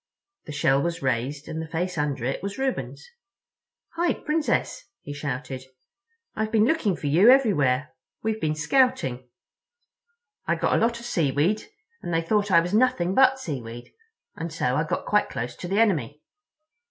The shell was raised, and the face under it was Reuben's. "Hi, Princess!" he shouted. "I've been looking for you everywhere. We've been scouting. I got a lot of seaweed, and they thought I was nothing but seaweed; and so I got quite close to the enemy."